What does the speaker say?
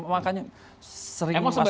makanya sering masuk ke dalam